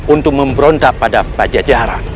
untuk memberontak pada pajajaran